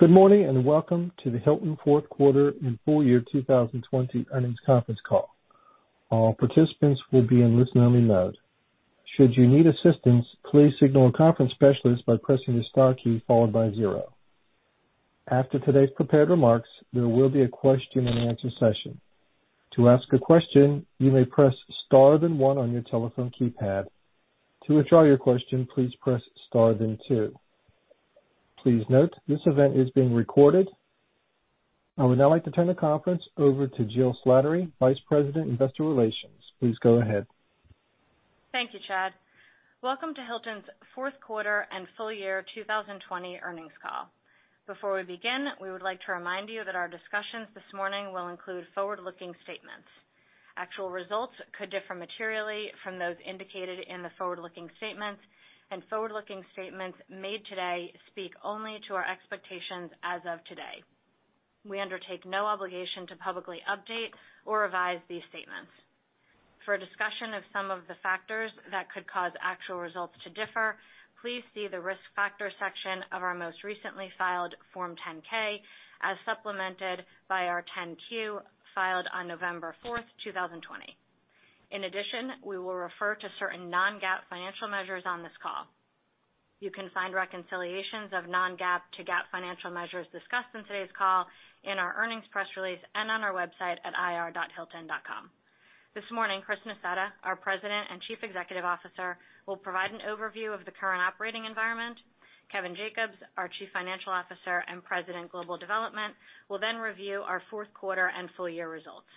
Good morning, and welcome to the Hilton fourth quarter and full-year 2020 earnings conference call. All participants will be in listen-only mode. Should you need assistance, please signal a conference specialist by pressing the star key followed by zero. After today's prepared remarks, there will be a question and answer session. To ask a question, you may press star, then one on your telephone keypad. To withdraw your question, please press star, then two. Please note, this event is being recorded. I would now like to turn the conference over to Jill Slattery, Vice President, Investor Relations. Please go ahead. Thank you, Chad. Welcome to Hilton's fourth quarter and full-year 2020 earnings call. Before we begin, we would like to remind you that our discussions this morning will include forward-looking statements. Actual results could differ materially from those indicated in the forward-looking statements, and forward-looking statements made today speak only to our expectations as of today. We undertake no obligation to publicly update or revise these statements. For a discussion of some of the factors that could cause actual results to differ, please see the Risk Factors section of our most recently filed Form 10-K, as supplemented by our 10-Q filed on November 4th, 2020. In addition, we will refer to certain non-GAAP financial measures on this call. You can find reconciliations of non-GAAP to GAAP financial measures discussed in today's call in our earnings press release and on our website at ir.hilton.com. This morning, Chris Nassetta, our President and Chief Executive Officer, will provide an overview of the current operating environment. Kevin Jacobs, our Chief Financial Officer and President, Global Development, will then review our fourth quarter and full-year results.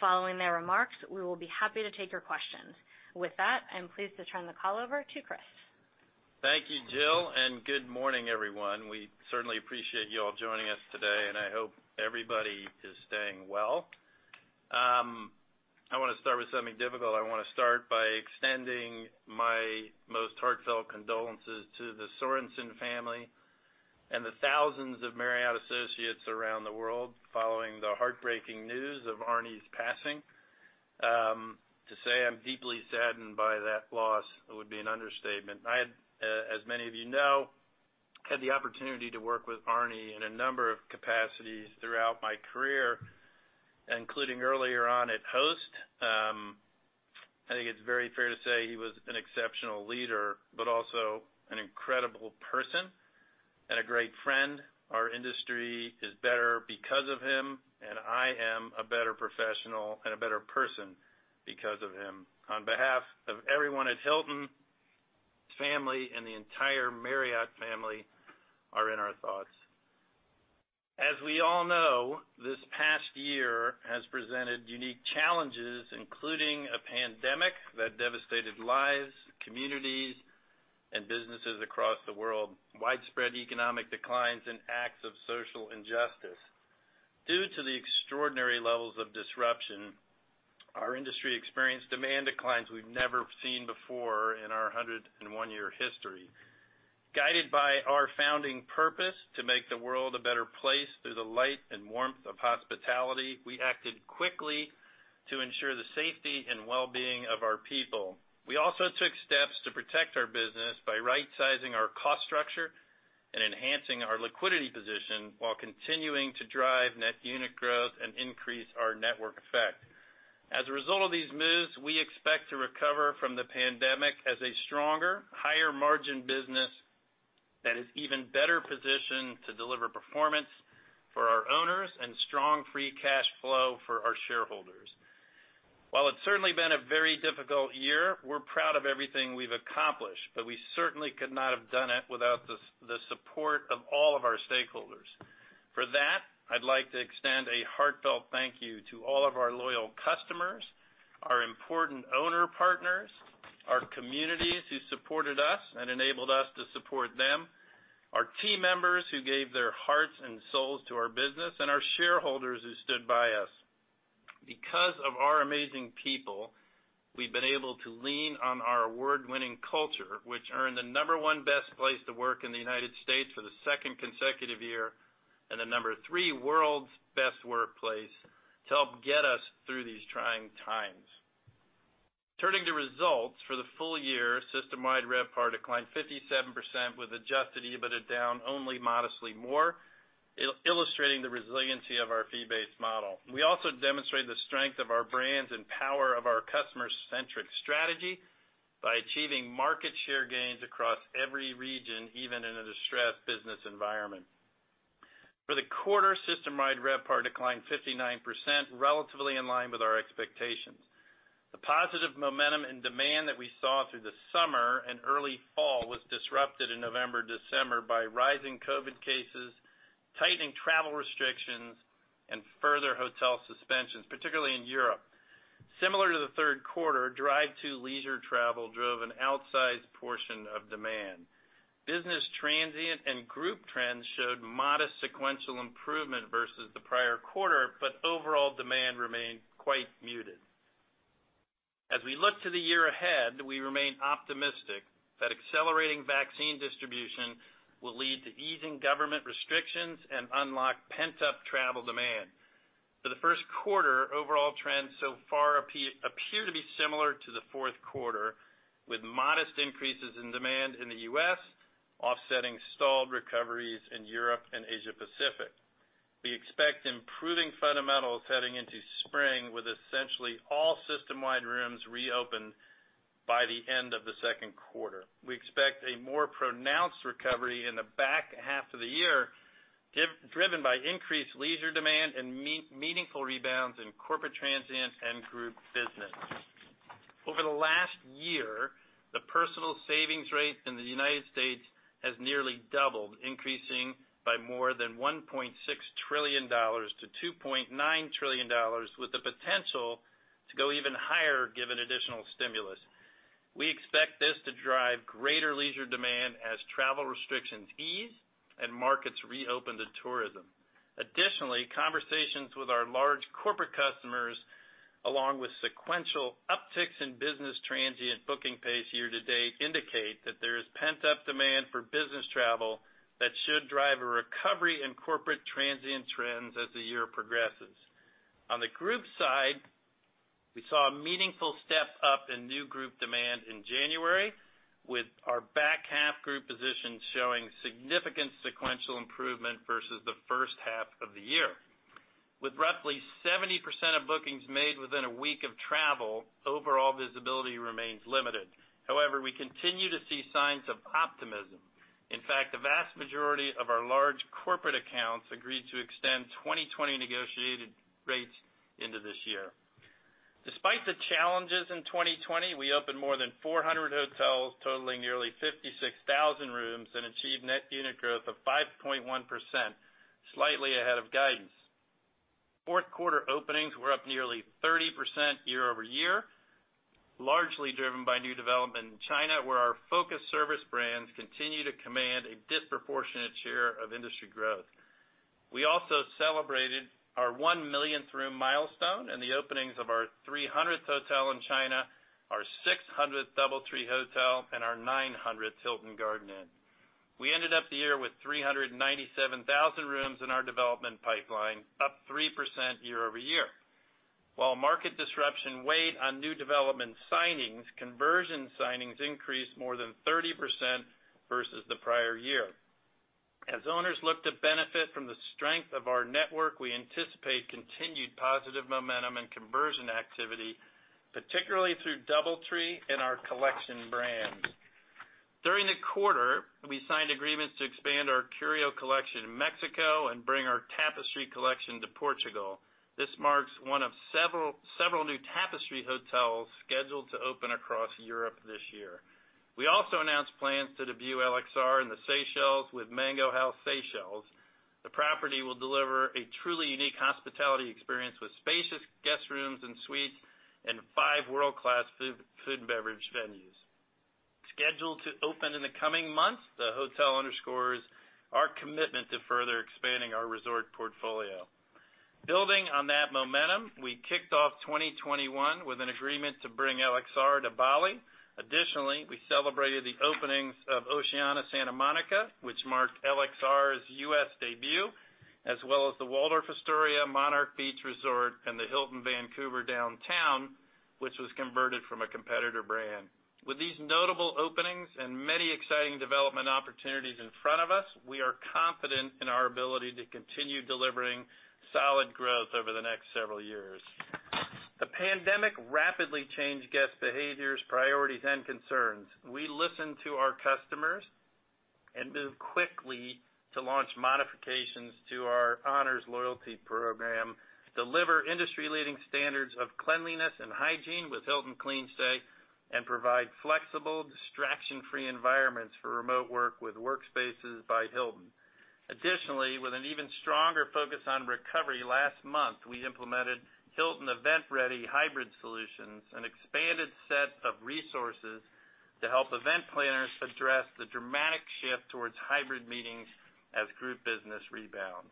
Following their remarks, we will be happy to take your questions. With that, I'm pleased to turn the call over to Chris. Thank you, Jill. Good morning, everyone. We certainly appreciate you all joining us today, and I hope everybody is staying well. I want to start with something difficult. I want to start by extending my most heartfelt condolences to the Sorenson family and the thousands of Marriott associates around the world following the heartbreaking news of Arne's passing. To say I'm deeply saddened by that loss would be an understatement. I, as many of you know, had the opportunity to work with Arne in a number of capacities throughout my career, including earlier on at Host. I think it's very fair to say he was an exceptional leader, but also an incredible person and a great friend. Our industry is better because of him, and I am a better professional and a better person because of him. On behalf of everyone at Hilton, his family and the entire Marriott family are in our thoughts. As we all know, this past year has presented unique challenges, including a pandemic that devastated lives, communities, and businesses across the world, widespread economic declines, and acts of social injustice. Due to the extraordinary levels of disruption, our industry experienced demand declines we've never seen before in our 101-year history. Guided by our founding purpose to make the world a better place through the light and warmth of hospitality, we acted quickly to ensure the safety and wellbeing of our people. We also took steps to protect our business by right-sizing our cost structure and enhancing our liquidity position while continuing to drive net unit growth and increase our network effect. As a result of these moves, we expect to recover from the pandemic as a stronger, higher margin business that is even better positioned to deliver performance for our owners and strong free cash flow for our shareholders. While it's certainly been a very difficult year, we're proud of everything we've accomplished, but we certainly could not have done it without the support of all of our stakeholders. For that, I'd like to extend a heartfelt thank you to all of our loyal customers, our important owner partners, our communities who supported us and enabled us to support them, our team members who gave their hearts and souls to our business, and our shareholders who stood by us. Because of our amazing people, we've been able to lean on our award-winning culture, which earned the number one best place to work in the United States for the second consecutive year, and the number three world's best workplace, to help get us through these trying times. Turning to results, for the full-year, system-wide RevPAR declined 57%, with adjusted EBITDA down only modestly more, illustrating the resiliency of our fee-based model. We also demonstrated the strength of our brands and power of our customer-centric strategy by achieving market share gains across every region, even in a distressed business environment. For the quarter, system-wide RevPAR declined 59%, relatively in line with our expectations. The positive momentum and demand that we saw through the summer and early fall was disrupted in November, December by rising COVID cases, tightening travel restrictions, and further hotel suspensions, particularly in Europe. Similar to the third quarter, drive to leisure travel drove an outsized portion of demand. Business transient and group trends showed modest sequential improvement versus the prior quarter, but overall demand remained quite muted. As we look to the year ahead, we remain optimistic that accelerating vaccine distribution will lead to easing government restrictions and unlock pent-up travel demand. For the first quarter, overall trends so far appear to be similar to the fourth quarter, with modest increases in demand in the U.S. offsetting stalled recoveries in Europe and Asia-Pacific. We expect improving fundamentals heading into spring with essentially all system-wide rooms reopened by the end of the second quarter. We expect a more pronounced recovery in the back half of the year, driven by increased leisure demand and meaningful rebounds in corporate transient and group business. Over the last year, the personal savings rate in the United States has nearly doubled, increasing by more than $1.6 trillion to $2.9 trillion with the potential to go even higher given additional stimulus. We expect this to drive greater leisure demand as travel restrictions ease and markets reopen to tourism. Additionally, conversations with our large corporate customers, along with sequential upticks in business transient booking pace year to date, indicate that there is pent-up demand for business travel that should drive a recovery in corporate transient trends as the year progresses. On the group side, we saw a meaningful step up in new group demand in January with our back-half group positions showing significant sequential improvement versus the first half of the year. With roughly 70% of bookings made within one week of travel, overall visibility remains limited. However, we continue to see signs of optimism. In fact, the vast majority of our large corporate accounts agreed to extend 2020 negotiated rates into this year. Despite the challenges in 2020, we opened more than 400 hotels totaling nearly 56,000 rooms and achieved net unit growth of 5.1%, slightly ahead of guidance. Fourth quarter openings were up nearly 30% year-over-year, largely driven by new development in China, where our focus service brands continue to command a disproportionate share of industry growth. We also celebrated our one millionth room milestone and the openings of our 300th hotel in China, our 600th DoubleTree hotel, and our 900th Hilton Garden Inn. We ended up the year with 397,000 rooms in our development pipeline, up 3% year-over-year. While market disruption weighed on new development signings, conversion signings increased more than 30% versus the prior year. As owners look to benefit from the strength of our network, we anticipate continued positive momentum and conversion activity, particularly through DoubleTree and our Collection brands. During the quarter, we signed agreements to expand our Curio Collection in Mexico and bring our Tapestry Collection to Portugal. This marks one of several new Tapestry hotels scheduled to open across Europe this year. We also announced plans to debut LXR in the Seychelles with Mango House Seychelles. The property will deliver a truly unique hospitality experience with spacious guest rooms and suites and five world-class food and beverage venues. Scheduled to open in the coming months, the hotel underscores our commitment to further expanding our resort portfolio. Building on that momentum, we kicked off 2021 with an agreement to bring LXR to Bali. Additionally, we celebrated the openings of Oceana Santa Monica, which marked LXR's U.S. debut, as well as the Waldorf Astoria, Monarch Beach Resort, and the Hilton Vancouver Downtown, which was converted from a competitor brand. With these notable openings and many exciting development opportunities in front of us, we are confident in our ability to continue delivering solid growth over the next several years. The pandemic rapidly changed guest behaviors, priorities, and concerns. We listened to our customers and moved quickly to launch modifications to our Honors loyalty program, deliver industry-leading standards of cleanliness and hygiene with Hilton CleanStay, and provide flexible distraction-free environments for remote work with WorkSpaces by Hilton. Additionally, with an even stronger focus on recovery, last month, we implemented Hilton EventReady Hybrid Solutions, an expanded set of resources to help event planners address the dramatic shift towards hybrid meetings as group business rebounds.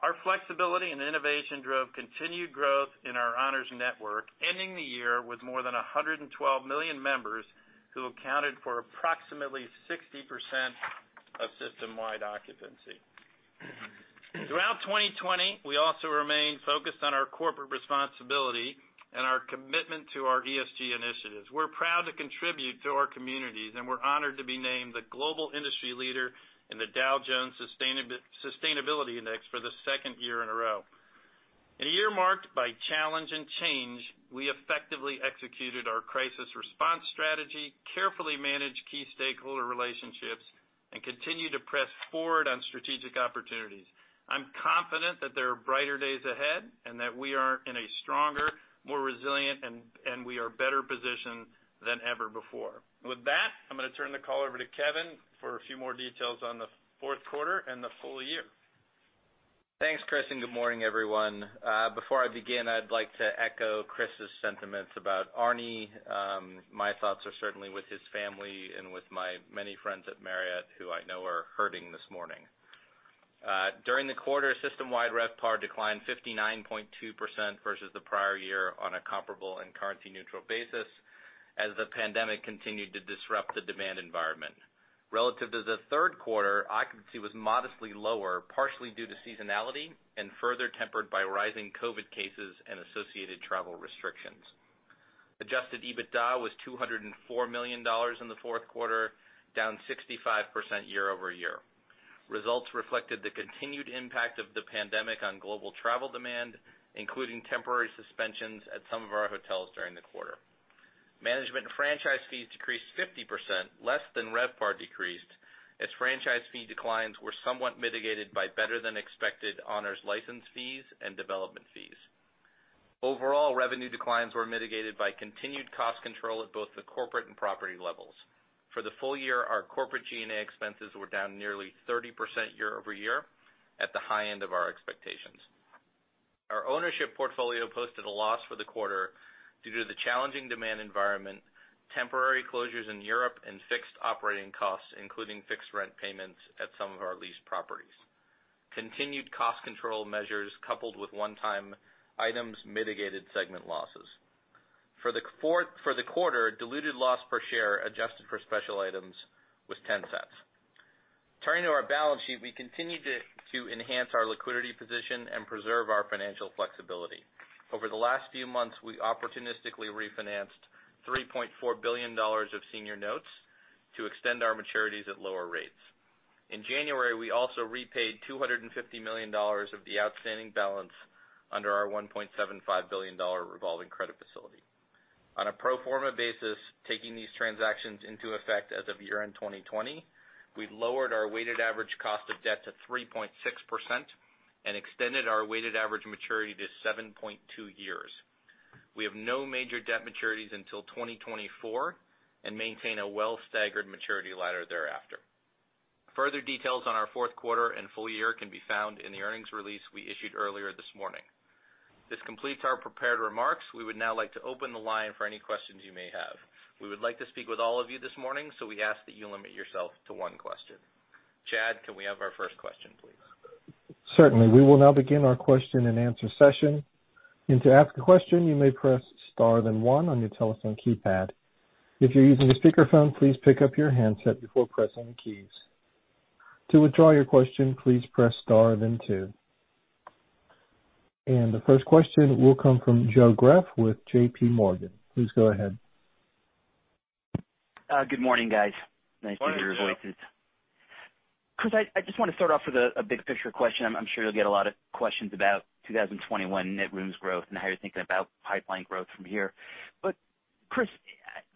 Our flexibility and innovation drove continued growth in our Honors network, ending the year with more than 112 million members who accounted for approximately 60% of system-wide occupancy. Throughout 2020, we also remained focused on our corporate responsibility and our commitment to our ESG initiatives. We're proud to contribute to our communities, and we're honored to be named the global industry leader in the Dow Jones Sustainability Index for the second year in a row. In a year marked by challenge and change, we effectively executed our crisis response strategy, carefully managed key stakeholder relationships, and continued to press forward on strategic opportunities. I'm confident that there are brighter days ahead and that we are in a stronger, more resilient, and we are better positioned than ever before. With that, I'm going to turn the call over to Kevin for a few more details on the fourth quarter and the full-year. Thanks, Chris. Good morning, everyone. Before I begin, I'd like to echo Chris' sentiments about Arne. My thoughts are certainly with his family and with my many friends at Marriott who I know are hurting this morning. During the quarter, system-wide RevPAR declined 59.2% versus the prior year on a comparable and currency-neutral basis as the pandemic continued to disrupt the demand environment. Relative to the third quarter, occupancy was modestly lower, partially due to seasonality, and further tempered by rising COVID cases and associated travel restrictions. Adjusted EBITDA was $204 million in the fourth quarter, down 65% year-over-year. Results reflected the continued impact of the pandemic on global travel demand, including temporary suspensions at some of our hotels during the quarter. Management franchise fees decreased 50%, less than RevPAR decreased, as franchise fee declines were somewhat mitigated by better than expected Honors license fees and development fees. Overall, revenue declines were mitigated by continued cost control at both the corporate and property levels. For the full-year, our corporate G&A expenses were down nearly 30% year-over-year, at the high end of our expectations. Our ownership portfolio posted a loss for the quarter due to the challenging demand environment, temporary closures in Europe, and fixed operating costs, including fixed rent payments at some of our leased properties. Continued cost control measures coupled with one-time items mitigated segment losses. For the quarter, diluted loss per share adjusted for special items was $0.10. Turning to our balance sheet, we continued to enhance our liquidity position and preserve our financial flexibility. Over the last few months, we opportunistically refinanced $3.4 billion of senior notes to extend our maturities at lower rates. In January, we also repaid $250 million of the outstanding balance under our $1.75 billion revolving credit facility. On a pro forma basis, taking these transactions into effect as of year-end 2020, we've lowered our weighted average cost of debt to 3.6% and extended our weighted average maturity to 7.6 years. We have no major debt maturities until 2024 and maintain a well-staggered maturity ladder thereafter. Further details on our fourth quarter and full-year can be found in the earnings release we issued earlier this morning. This completes our prepared remarks. We would now like to open the line for any questions you may have. We would like to speak with all of you this morning, so we ask that you limit yourself to one question. Chad, can we have our first question, please? Certainly. We will now begin our question and answer session. And to ask a question, you may press star then one on your telephone keypad. If you're using a speakerphone, please pick up your handset before pressing the keys. To withdraw your question, please press star then two. And the first question will come from Joe Greff with JPMorgan. Please go ahead. Good morning, guys. Morning, Joe. Nice to hear your voices. Chris, I just want to start off with a big picture question. I'm sure you'll get a lot of questions about 2021 net rooms growth and how you're thinking about pipeline growth from here. Chris,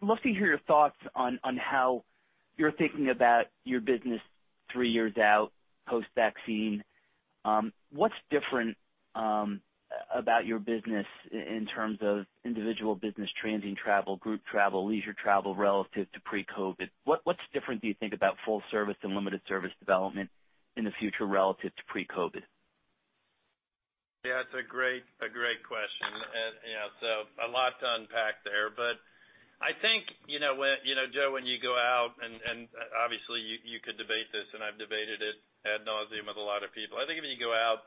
I'd love to hear your thoughts on how you're thinking about your business three years out, post-vaccine. What's different about your business in terms of individual business transient travel, group travel, leisure travel, relative to pre-COVID? What's different, do you think, about full service and limited service development in the future relative to pre-COVID? Yeah, it's a great question. A lot to unpack there. I think, Joe, when you go out, and obviously you could debate this, and I've debated it ad nauseam with a lot of people. I think if you go out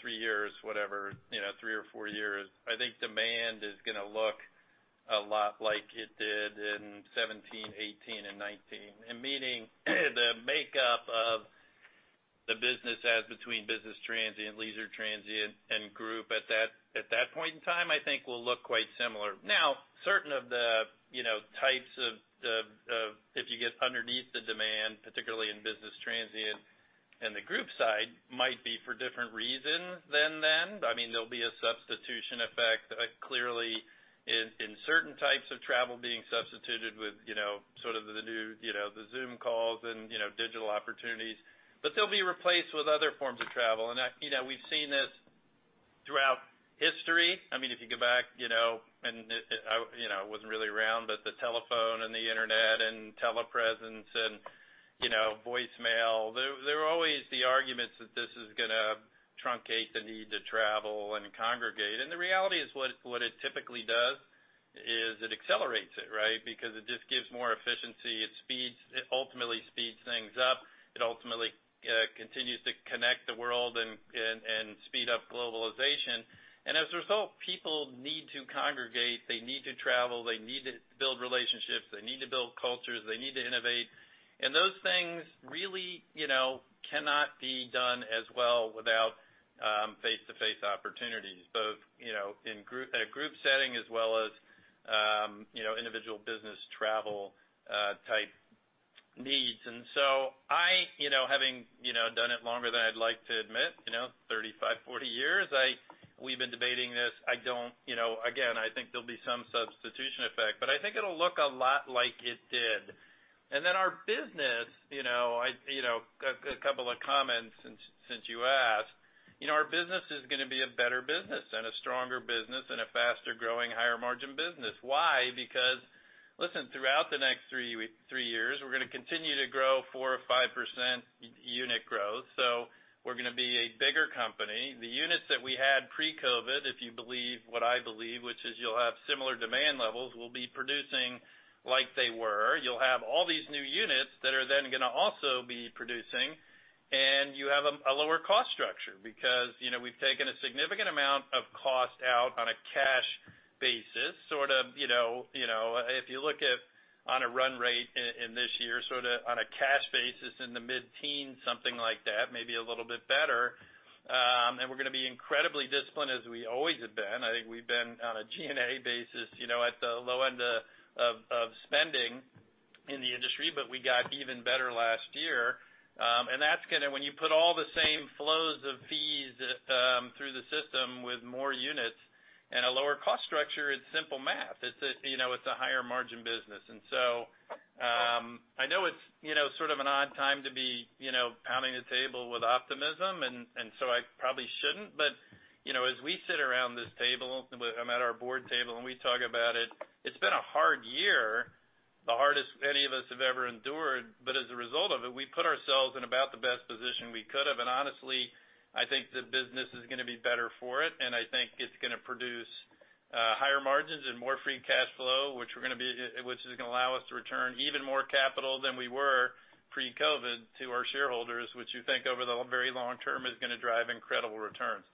three years, whatever, three or four years, I think demand is going to look a lot like it did in 2017, 2018, and 2019. Meaning the makeup of the business as between business transient, leisure transient, and group at that point in time, I think will look quite similar. Now, certain of the types of if you get underneath the demand, particularly in business transient and the group side, might be for different reasons than then. There'll be a substitution effect, clearly in certain types of travel being substituted with the new Zoom calls and digital opportunities. They'll be replaced with other forms of travel. We've seen this throughout history. If you go back, and I wasn't really around, but the telephone and the internet and telepresence and voicemail. There were always the arguments that this is going to truncate the need to travel and congregate. the reality is, what it typically does is it accelerates it, because it just gives more efficiency. It ultimately speeds things up. It ultimately continues to connect the world and speed up globalization. as a result, people need to congregate, they need to travel, they need to build relationships, they need to build cultures, they need to innovate. those things really cannot be done as well without face-to-face opportunities, both in a group setting as well as individual business travel type needs. I, having done it longer than I'd like to admit, 35, 40 years, we've been debating this. Again, I think there'll be some substitution effect. I think it'll look a lot like it did. our business, a couple of comments since you asked. Our business is going to be a better business and a stronger business and a faster growing, higher margin business. Why? Because, listen, throughout the next three years, we're going to continue to grow 4% or 5% unit growth. we're going to be a bigger company. The units that we had pre-COVID, if you believe what I believe, which is you'll have similar demand levels, will be producing like they were. You'll have all these new units that are then going to also be producing, and you have a lower cost structure, because we've taken a significant amount of cost out on a cash basis- If you look at on a run rate in this year, on a cash basis in the mid-teens, something like that, maybe a little bit better. We're going to be incredibly disciplined, as we always have been. I think we've been on a G&A basis, at the low end of spending in the industry, but we got even better last year. When you put all the same flows of fees through the system with more units and a lower cost structure, it's simple math. It's a higher margin business. I know it's an odd time to be pounding the table with optimism, and so I probably shouldn't, but as we sit around this table, I'm at our board table, and we talk about it's been a hard year, the hardest any of us have ever endured. As a result of it, we put ourselves in about the best position we could have. honestly, I think the business is going to be better for it, and I think it's going to produce higher margins and more free cash flow, which is going to allow us to return even more capital than we were pre-COVID to our shareholders, which you think over the very long term is going to drive incredible returns.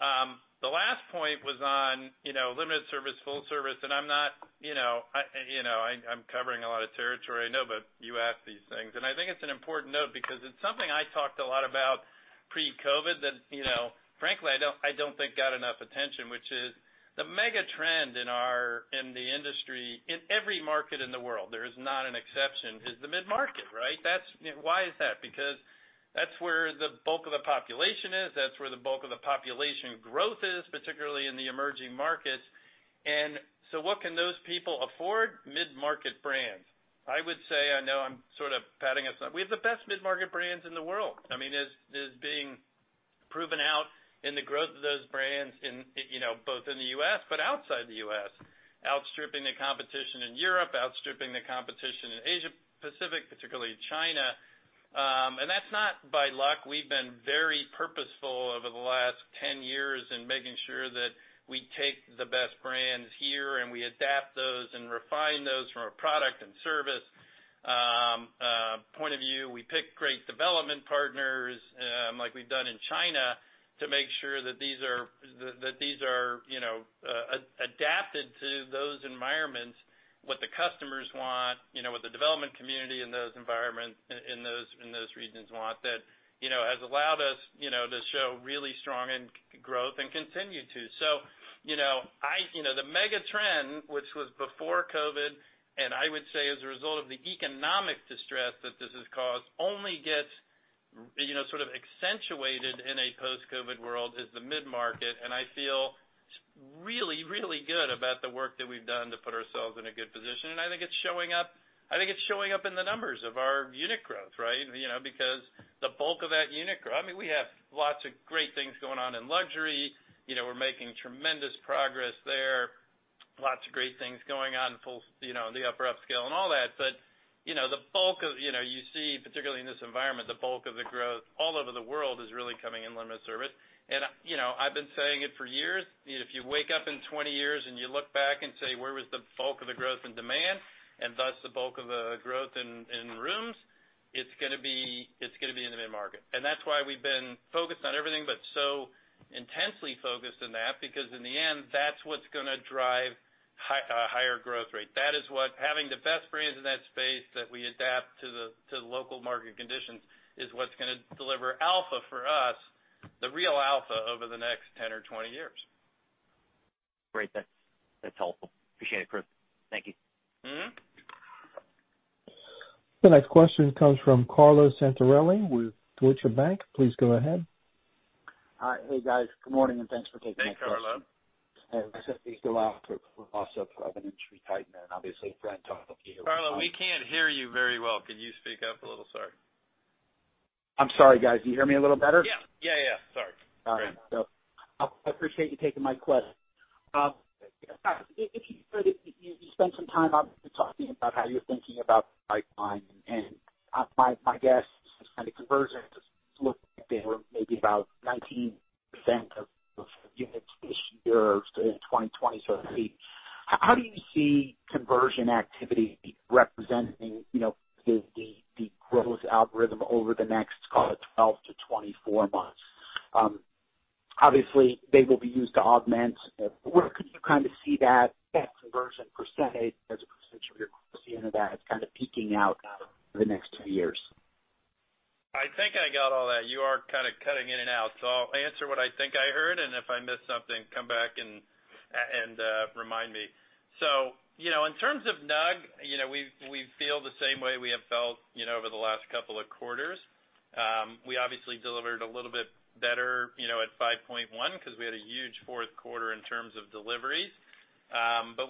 The last point was on limited service, full service, and I'm covering a lot of territory, I know, but you ask these things. I think it's an important note because it's something I talked a lot about pre-COVID that frankly, I don't think got enough attention, which is the mega trend in the industry, in every market in the world, there is not an exception, is the mid-market, right? Why is that? Because that's where the bulk of the population is, that's where the bulk of the population growth is, particularly in the emerging markets. What can those people afford? Mid-market brands. I would say, We have the best mid-market brands in the world. I mean, as is being proven out in the growth of those brands both in the U.S. but outside the U.S., outstripping the competition in Europe, outstripping the competition in Asia-Pacific, particularly China. That's not by luck. We've been very purposeful over the last 10 years in making sure that we take the best brands here, and we adapt those and refine those from a product and service point of view. We pick great development partners, like we've done in China, to make sure that these are adapted to those environments, what the customers want, what the development community in those environments, in those regions want, that has allowed us to show really strong growth and continue to. The mega trend, which was before COVID, and I would say as a result of the economic distress that this has caused, only gets accentuated in a post-COVID world, is the mid-market. I feel really, really good about the work that we've done to put ourselves in a good position. I think it's showing up in the numbers of our unit growth, right? Because the bulk of that unit growth. We have lots of great things going on in luxury. We're making tremendous progress there. Lots of great things going on in the upper upscale and all that. You see, particularly in this environment, the bulk of the growth all over the world is really coming in limited service. I've been saying it for years. If you wake up in 20 years and you look back and say, "Where was the bulk of the growth in demand and thus the bulk of the growth in rooms?" It's going to be in the mid-market. That's why we've been focused on everything, but so intensely focused on that, because in the end, that's what's going to drive a higher growth rate. Having the best brands in that space that we adapt to the local market conditions is what's going to deliver alpha for us, the real alpha, over the next 10 or 20 years. Great. That's helpful. Appreciate it, Chris. Thank you. The next question comes from Carlo Santarelli with Deutsche Bank. Please go ahead. Hi. Hey, guys. Good morning, and thanks for taking my call. Hey, Carlo. As I said, these go out to loss of an industry titan and obviously a friend of yours. Carlo, we can't hear you very well. Can you speak up a little? Sorry. I'm sorry, guys. Can you hear me a little better? Yeah. Sorry. All right. I appreciate you taking my question. If you could, you spent some time on talking about how you're thinking about pipeline, and my guess is just kind of conversion, just looks like they were maybe about 19% of units this year in 2020. How do you see conversion activity representing the growth algorithm over the next, let's call it 12-24 months? Obviously, they will be used to augment. Where could you see that conversion percentage as a percentage of your At the end of that, it's kind of peaking out over the next two years. I think I got all that. You are kind of cutting in and out. I'll answer what I think I heard, and if I miss something, come back and remind me. In terms of NUG, we feel the same way we have felt over the last couple of quarters. We obviously delivered a little bit better at 5.1% because we had a huge fourth quarter in terms of deliveries.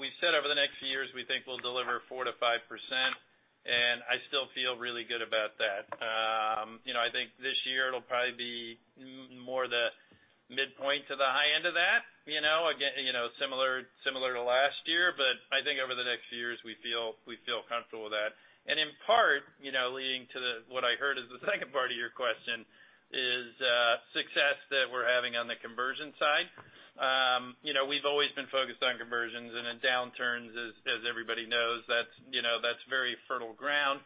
We've said over the next few years, we think we'll deliver 4%-5%, and I still feel really good about that. I think this year it'll probably be more the midpoint to the high end of that, similar to last year. I think over the next few years, we feel comfortable with that. In part, leading to what I heard is the second part of your question is success that we're having on the conversion side. We've always been focused on conversions in the downturns as everybody knows, that's very fertile ground.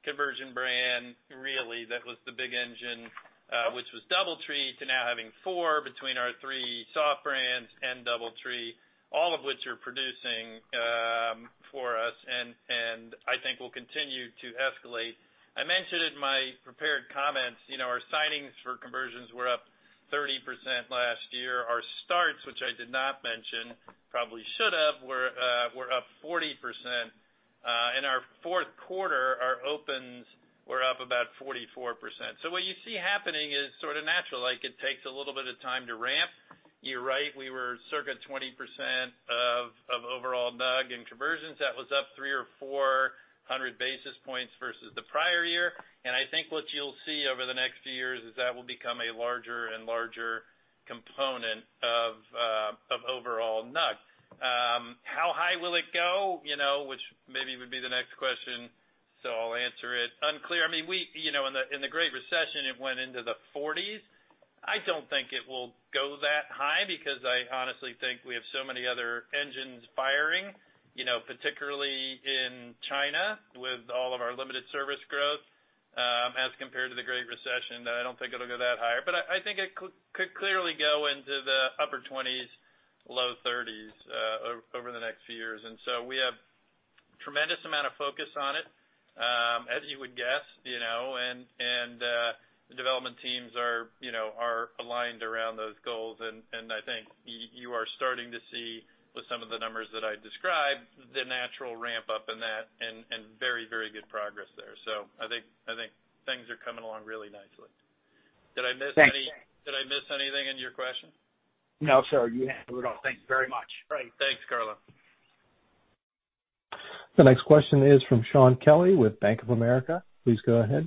Conversion brand, really, that was the big engine, which was DoubleTree, to now having four between our three soft brands and DoubleTree, all of which are producing for us and I think will continue to escalate. I mentioned in my prepared comments, our signings for conversions were up 30% last year. Our starts, which I did not mention, probably should have, were up 40%, and our fourth quarter, our opens were up about 44%. what you see happening is sort of natural. It takes a little bit of time to ramp. You're right, we were circa 20% of overall NUG in conversions. That was up 300 or 400 basis points versus the prior year. I think what you'll see over the next few years is that will become a larger and larger component of overall NUG. How high will it go? Which maybe would be the next question, so I'll answer it. Unclear. In the Great Recession, it went into the 40s. I don't think it will go that high because I honestly think we have so many other engines firing, particularly in China with all of our limited service growth, as compared to the Great Recession. I don't think it'll go that high. I think it could clearly go into the upper 20s, low 30s over the next few years. We have tremendous amount of focus on it, as you would guess, and the development teams are aligned around those goals. I think you are starting to see with some of the numbers that I described, the natural ramp-up in that and very good progress there. I think things are coming along really nicely. Did I miss anything in your question? No, sir. You handled it all. Thanks very much. Great. Thanks, Carlo. The next question is from Shaun Kelley with Bank of America. Please go ahead.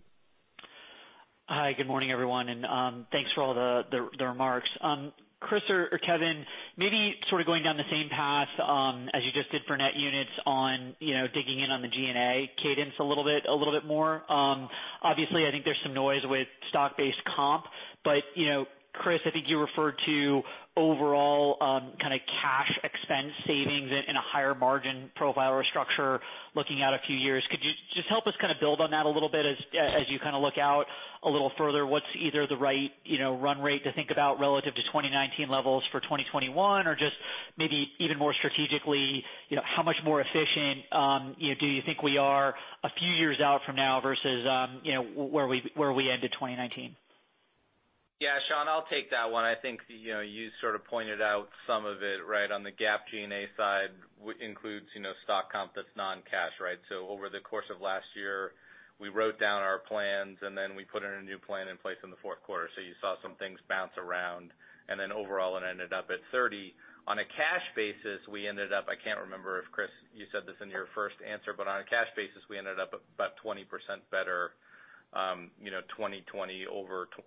Hi, good morning, everyone, and thanks for all the remarks. Chris or Kevin, maybe sort of going down the same path as you just did for net units on digging in on the G&A cadence a little bit more. Obviously, I think there's some noise with stock-based comp. Chris, I think you referred to overall kind of cash expense savings in a higher margin profile or structure looking out a few years. Could you just help us kind of build on that a little bit as you kind of look out a little further? What's either the right run rate to think about relative to 2019 levels for 2021? just maybe even more strategically, how much more efficient do you think we are a few years out from now versus where we ended 2019? Yeah, Shaun, I'll take that one. I think you sort of pointed out some of it right on the GAAP G&A side, which includes stock comp that's non-cash, right? over the course of last year, we wrote down our plans, and then we put in a new plan in place in the fourth quarter. you saw some things bounce around. overall, it ended up at 30. On a cash basis, we ended up, I can't remember if, Chris, you said this in your first answer, but on a cash basis, we ended up about 20% better 2020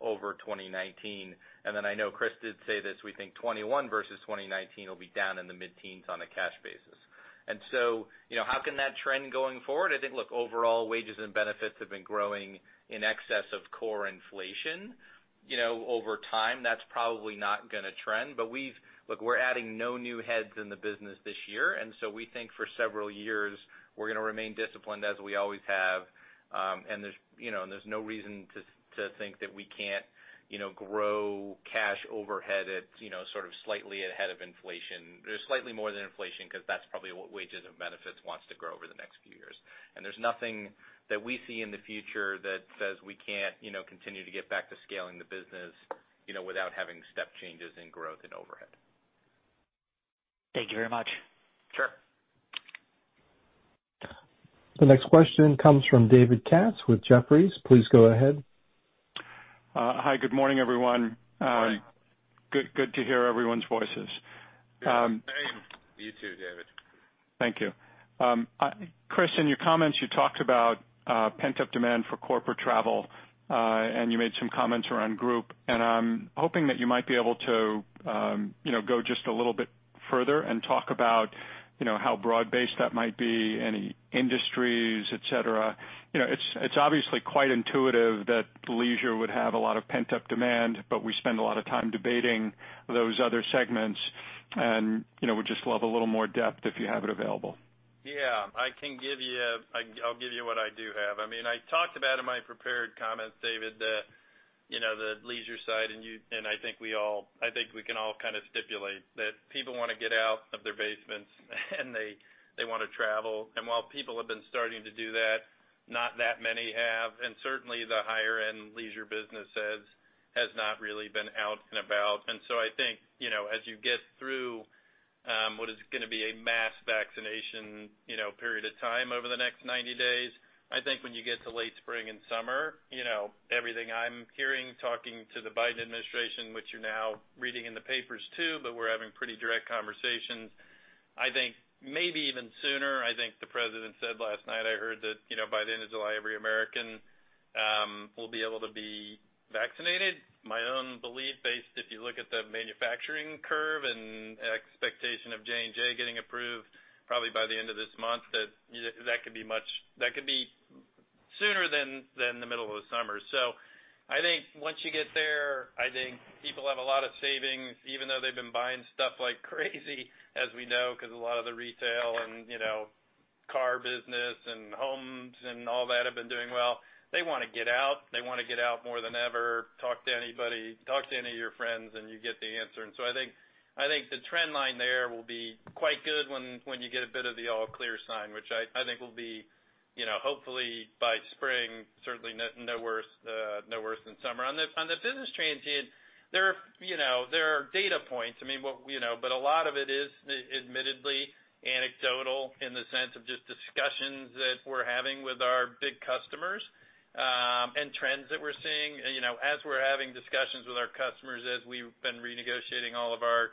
over 2019. I know Chris did say this, we think 2021 versus 2019 will be down in the mid-teens on a cash basis. how can that trend going forward? I think, look, overall, wages and benefits have been growing in excess of core inflation. Over time, that's probably not going to trend. look, we're adding no new heads in the business this year, and so we think for several years, we're going to remain disciplined as we always have. there's no reason to think that we can't grow cash overhead at sort of slightly ahead of inflation. They're slightly more than inflation because that's probably what wages and benefits wants to grow over the next few years. there's nothing that we see in the future that says we can't continue to get back to scaling the business without having step changes in growth and overhead. Thank you very much. Sure. The next question comes from David Katz with Jefferies. Please go ahead. Hi. Good morning, everyone. Morning. Good to hear everyone's voices. Same. You too, David. Thank you. Chris, in your comments, you talked about pent-up demand for corporate travel, and you made some comments around group. I'm hoping that you might be able to go just a little bit further and talk about how broad-based that might be, any industries, et cetera. It's obviously quite intuitive that leisure would have a lot of pent-up demand, but we spend a lot of time debating those other segments, and would just love a little more depth if you have it available. Yeah, I'll give you what I do have. I talked about in my prepared comments, David, the leisure side, and I think we can all kind of stipulate that people want to get out of their basements and they want to travel. While people have been starting to do that, not that many have, and certainly the higher-end leisure business has not really been out and about. I think, as you get through what is going to be a mass vaccination period of time over the next 90 days, I think when you get to late spring and summer, everything I'm hearing talking to the Biden administration, which you're now reading in the papers too, but we're having pretty direct conversations. I think maybe even sooner. I think the president said last night, I heard that by the end of July, every American will be able to be vaccinated. My own belief based, if you look at the manufacturing curve and expectation of J&J getting approved probably by the end of this month, that that could be sooner than the middle of the summer. I think once you get there, people have a lot of savings, even though they've been buying stuff like crazy, as we know, because a lot of the retail and car business and homes and all that have been doing well. They want to get out, they want to get out more than ever. Talk to anybody, talk to any of your friends, and you get the answer. I think the trend line there will be quite good when you get a bit of the all clear sign, which I think will be hopefully by spring, certainly no worse than summer. On the business transient, there are data points, but a lot of it is admittedly anecdotal in the sense of just discussions that we're having with our big customers, and trends that we're seeing. As we're having discussions with our customers, as we've been renegotiating all of our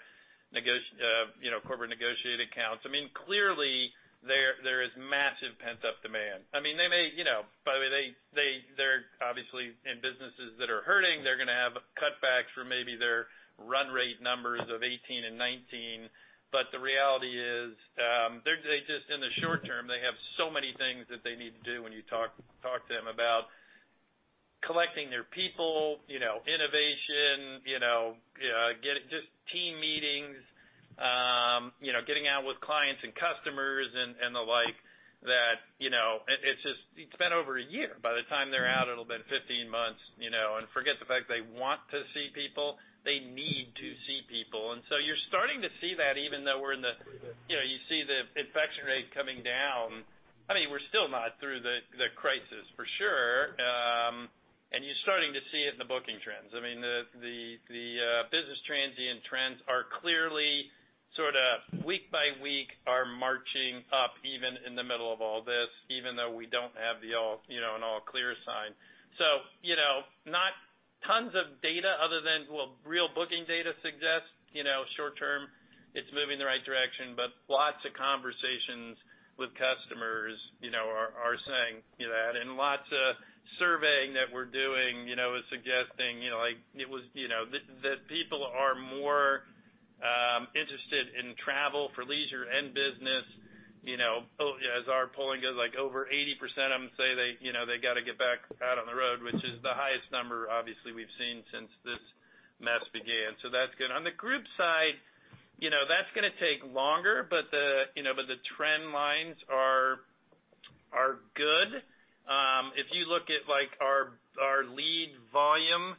corporate negotiated accounts. Clearly, there is massive pent-up demand. They're obviously in businesses that are hurting. They're going to have cutbacks for maybe their run rate numbers of 2018 and 2019. The reality is they just, in the short term, they have so many things that they need to do when you talk to them about collecting their people, innovation, just team meetings, getting out with clients and customers and the like, that it's been over a year. By the time they're out, it'll be 15 months. Forget the fact they want to see people, they need to see people. You're starting to see that even though you see the infection rate coming down, we're still not through the crisis, for sure. You're starting to see it in the booking trends. The business transient trends are clearly sort of week by week are marching up, even in the middle of all this, even though we don't have an all clear sign. Not tons of data other than what real booking data suggests. Short term, it's moving in the right direction, but lots of conversations with customers are saying that. lots of surveying that we're doing, is suggesting that people are more interested in travel for leisure and business. As our polling goes, over 80% of them say they got to get back out on the road, which is the highest number obviously we've seen since this mess began. that's good. On the group side, that's going to take longer, but the trend lines are good. If you look at our lead volume,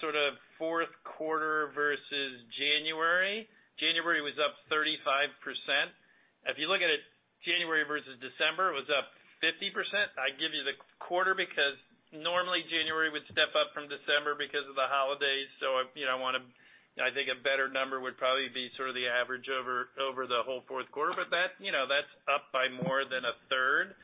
sort of fourth quarter versus January was up 35%. If you look at it January versus December, it was up 50%. I give you the quarter because normally January would step up from December because of the holidays. I think a better number would probably be sort of the average over the whole fourth quarter. That's up by more than a third.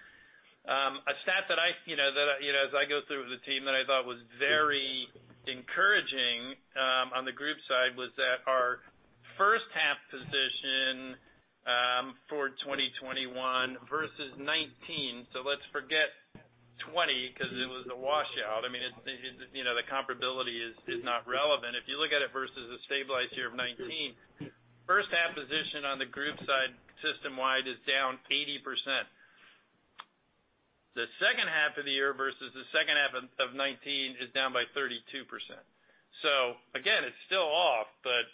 A stat that as I go through with the team that I thought was very encouraging on the group side was that our first half position for 2021 versus 2019, so let's forget 2020 because it was a washout. The comparability is not relevant. If you look at it versus a stabilized year of 2019, first half position on the group side system-wide is down 80%. The second half of the year versus the second half of 2019 is down by 32%. again, it's still off, but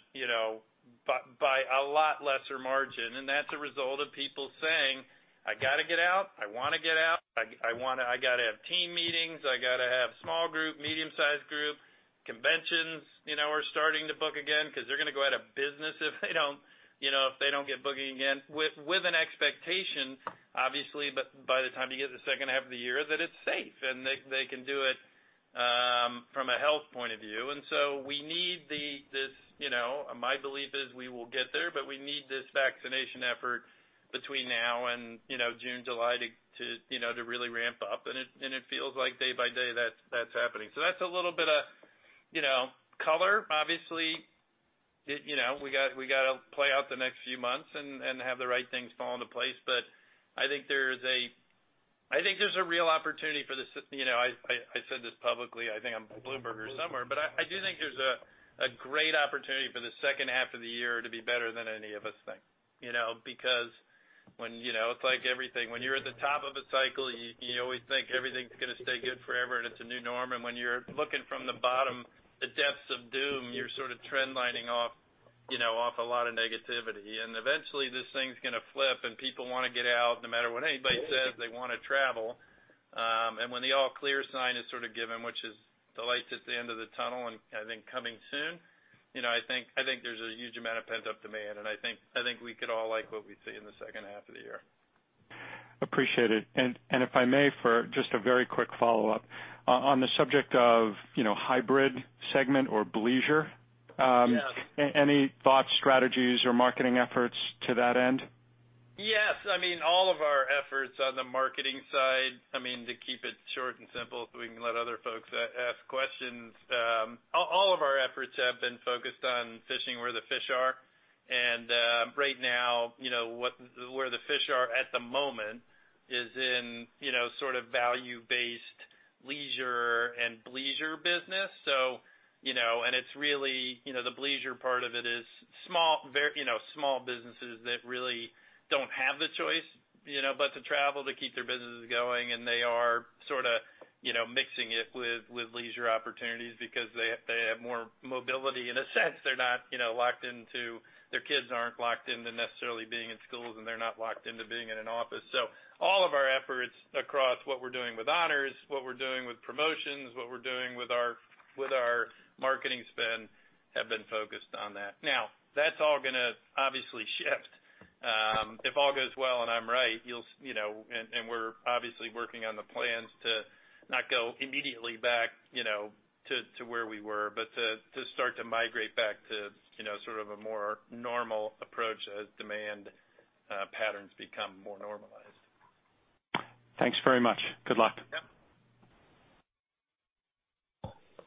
by a lot lesser margin, and that's a result of people saying, "I got to get out. I want to get out. I got to have team meetings. I got to have small group, medium-sized group." Conventions are starting to book again because they're going to go out of business if they don't get booking again. With an expectation, obviously, by the time you get to the second half of the year, that it's safe, and they can do it from a health point of view. We need this. My belief is we will get there, but we need this vaccination effort between now and June, July, to really ramp up, and it feels like day by day that's happening. That's a little bit of color. Obviously, we got to play out the next few months and have the right things fall into place. I think there's a real opportunity. I said this publicly, I think on Bloomberg or somewhere, but I do think there's a great opportunity for the second half of the year to be better than any of us think. Because it's like everything. When you're at the top of a cycle, you always think everything's going to stay good forever, and it's a new norm. When you're looking from the bottom, the depths of doom, you're sort of trend lining off a lot of negativity. Eventually, this thing's going to flip, and people want to get out. No matter what anybody says, they want to travel. When the all clear sign is sort of given, which is the lights at the end of the tunnel, and I think coming soon, I think there's a huge amount of pent-up demand, and I think we could all like what we see in the second half of the year. Appreciate it. If I may, for just a very quick follow-up. On the subject of hybrid segment or bleisure- Yeah. Any thoughts, strategies, or marketing efforts to that end? Yes. All of our efforts on the marketing side, to keep it short and simple so we can let other folks ask questions. All of our efforts have been focused on fishing where the fish are. Right now, where the fish are at the moment is in sort of value-based leisure and bleisure business. It's really, the leisure part of it is small businesses that really don't have the choice but to travel to keep their businesses going, and they are sort of mixing it with leisure opportunities because they have more mobility, in a sense. Their kids aren't locked into necessarily being in schools, and they're not locked into being in an office. All of our efforts across what we're doing with honors, what we're doing with promotions, what we're doing with our marketing spend, have been focused on that. Now, that's all going to obviously shift. If all goes well, and I'm right, and we're obviously working on the plans to not go immediately back to where we were, but to start to migrate back to sort of a more normal approach as demand patterns become more normalized. Thanks very much. Good luck. Yep.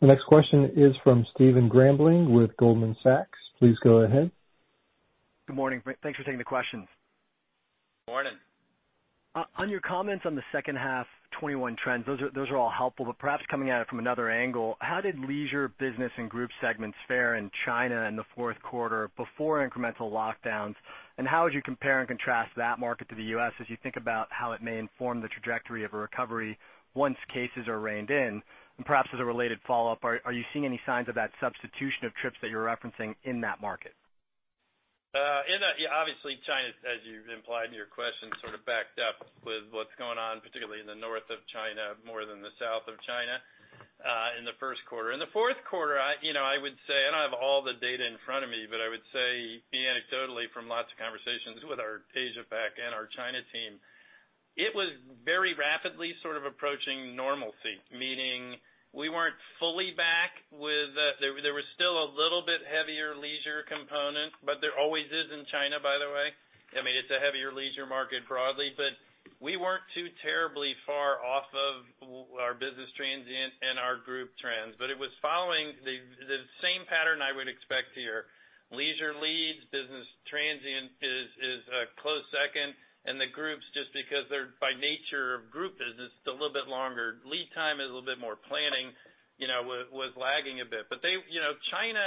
The next question is from Stephen Grambling with Goldman Sachs. Please go ahead. Good morning. Thanks for taking the questions. Morning. On your comments on the second half 2021 trends, those are all helpful, but perhaps coming at it from another angle, how did leisure, business, and group segments fare in China in the fourth quarter before incremental lockdowns? how would you compare and contrast that market to the U.S. as you think about how it may inform the trajectory of a recovery once cases are reined in? perhaps as a related follow-up, are you seeing any signs of that substitution of trips that you're referencing in that market? In that, yeah, obviously, China, as you implied in your question, sort of backed up with what's going on, particularly in the north of China, more than the south of China, in the first quarter. In the fourth quarter, I would say, I don't have all the data in front of me, but I would say anecdotally from lots of conversations with our Asia-Pacific and our China team, it was very rapidly sort of approaching normalcy, meaning we weren't fully back. There was still a little bit heavier leisure component, but there always is in China, by the way. I mean, it's a heavier leisure market broadly, but we weren't too terribly far off of our business transient and our group trends. It was following the same pattern I would expect here. Leisure leads, business transient is a close second, and the groups, just because they're, by nature of group business, just a little bit longer lead time and a little bit more planning, was lagging a bit. China,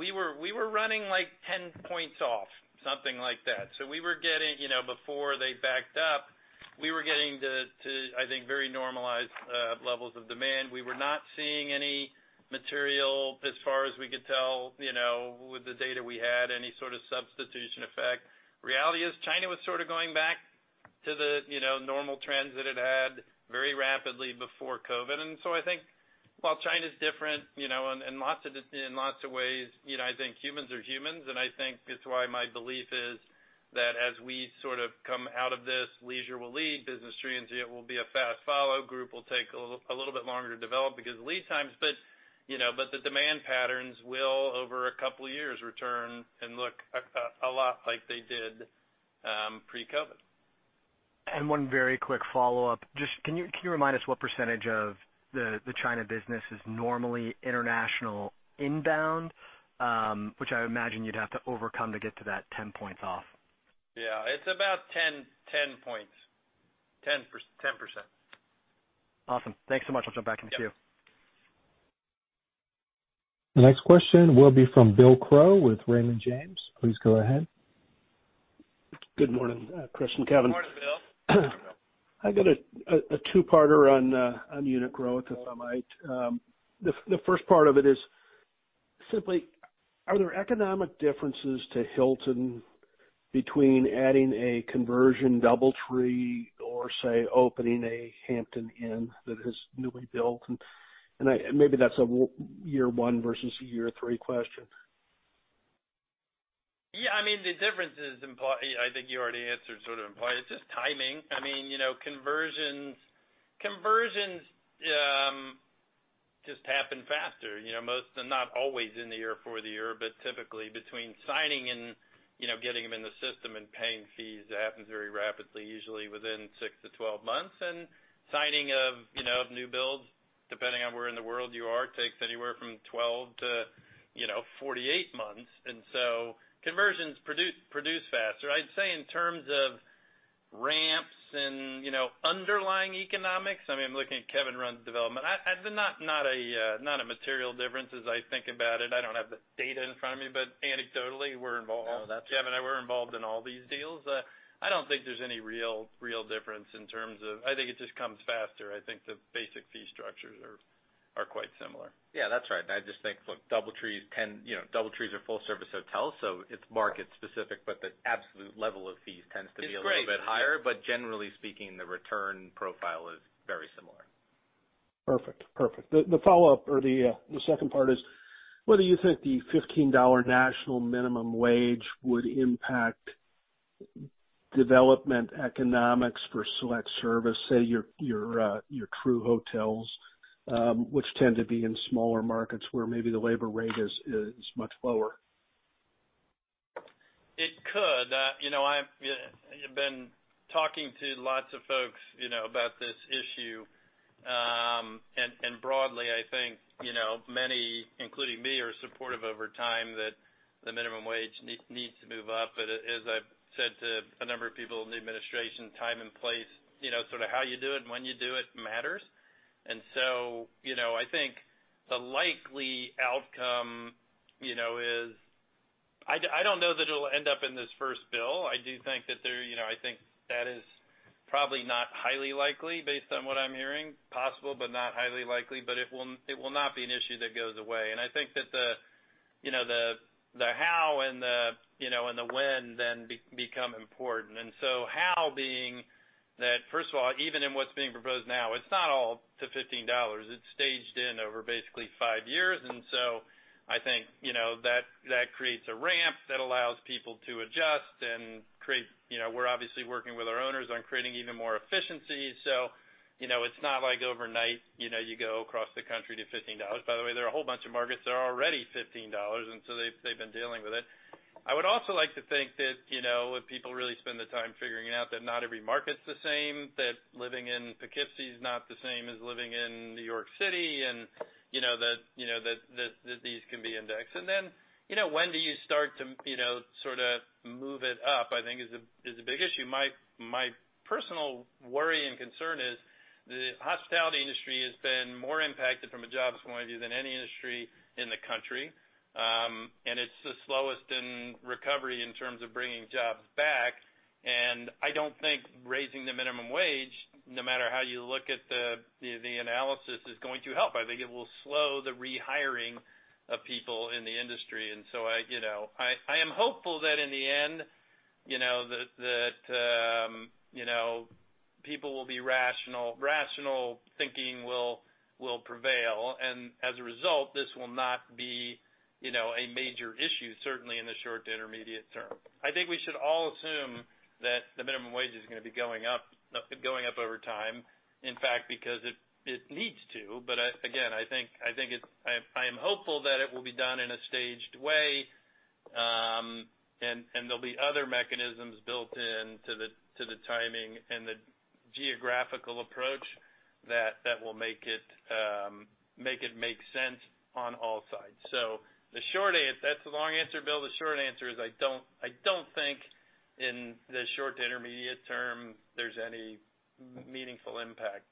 we were running like 10 points off, something like that. We were getting, before they backed up, we were getting to, I think, very normalized levels of demand. We were not seeing any material, as far as we could tell with the data we had, any sort of substitution effect. Reality is, China was sort of going back to the normal trends that it had very rapidly before COVID. I think while China's different in lots of ways, I think humans are humans, and I think it's why my belief is that as we sort of come out of this, leisure will lead, business transient will be a fast follow, group will take a little bit longer to develop because of lead times. The demand patterns will, over a couple of years, return and look a lot like they did pre-COVID. One very quick follow-up. Just can you remind us what percentage of the China business is normally international inbound? Which I would imagine you'd have to overcome to get to that 10 points off. Yeah, it's about 10 points. 10%. Awesome. Thanks so much. I'll jump back in the queue. The next question will be from Bill Crow with Raymond James. Please go ahead. Good morning, Chris and Kevin. Morning, Bill. I got a two-parter on unit growth, if I might. The first part of it is simply, are there economic differences to Hilton between adding a conversion DoubleTree or, say, opening a Hampton Inn that is newly built? Maybe that's a year one versus year three question. Yeah, I mean, the difference is implied. I think you already answered, sort of implied. It's just timing. I mean, conversions just happen faster. Most, not always in the year for the year, but typically between signing and getting them in the system and paying fees, it happens very rapidly, usually within 6-12 months. Signing of new builds, depending on where in the world you are, takes anywhere from 12-48 months. Conversions produce faster. I'd say in terms of ramps and underlying economics, I mean, I'm looking at Kevin run development. Not a material difference as I think about it. I don't have the data in front of me, but anecdotally, we're involved. No, that's right. Kevin and I, we're involved in all these deals. I don't think there's any real difference. I think it just comes faster. I think the basic fee structures are quite similar. Yeah, that's right. I just think, look, DoubleTree are full service hotels, so it's market specific, but the absolute level of fees tends to be a little bit higher. Generally speaking, the return profile is very similar. Perfect. The follow-up or the second part is whether you think the $15 national minimum wage would impact development economics for select service, say, your Tru hotels, which tend to be in smaller markets where maybe the labor rate is much lower. It could. I've been talking to lots of folks about this issue. Broadly, I think, many, including me, over time that the minimum wage needs to move up. As I've said to a number of people in the administration, time and place, how you do it and when you do it matters. I think the likely outcome is, I don't know that it'll end up in this first bill. I do think that is probably not highly likely based on what I'm hearing. Possible, but not highly likely. It will not be an issue that goes away. I think that the how and the when then become important. How being that, first of all, even in what's being proposed now, it's not all to $15. It's staged in over basically five years. I think that creates a ramp that allows people to adjust and create. We're obviously working with our owners on creating even more efficiency. It's not like overnight you go across the country to $15. By the way, there are a whole bunch of markets that are already $15. They've been dealing with it. I would also like to think that if people really spend the time figuring it out, that not every market's the same, that living in Poughkeepsie is not the same as living in New York City. These can be indexed. When do you start to move it up, I think is the big issue. My personal worry and concern is the hospitality industry has been more impacted from a jobs point of view than any industry in the country. It's the slowest in recovery in terms of bringing jobs back, and I don't think raising the minimum wage, no matter how you look at the analysis, is going to help. I think it will slow the rehiring of people in the industry. I am hopeful that in the end, that people will be rational. Rational thinking will prevail, and as a result, this will not be a major issue, certainly in the short to intermediate term. I think we should all assume that the minimum wage is going to be going up over time. In fact, because it needs to. Again, I am hopeful that it will be done in a staged way, and there'll be other mechanisms built in to the timing and the geographical approach that will make it make sense on all sides. That's the long answer, Bill. The short answer is I don't think in the short to intermediate term there's any meaningful impact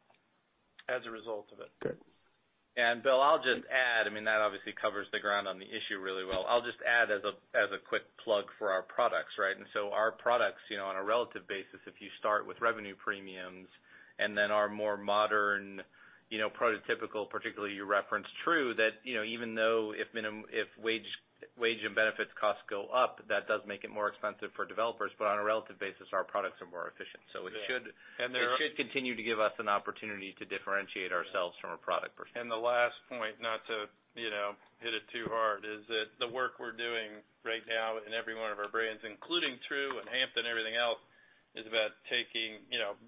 as a result of it. Good. Bill, I'll just add, that obviously covers the ground on the issue really well. I'll just add as a quick plug for our products. Our products, on a relative basis, if you start with revenue premiums and then our more modern, prototypical, particularly you referenced Tru, that even though if wage and benefits costs go up, that does make it more expensive for developers, but on a relative basis, our products are more efficient. Yeah. It should continue to give us an opportunity to differentiate ourselves from a product perspective. The last point, not to hit it too hard, is that the work we're doing right now in every one of our brands, including Tru and Hampton, everything else, is about